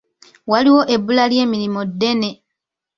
Waliwo ebbula ly'emirimu ddene.